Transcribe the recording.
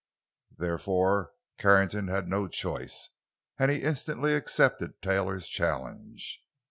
Therefore, Carrington had no choice, and he instantly accepted Taylor's challenge.